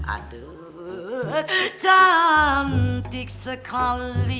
aduh cantik sekali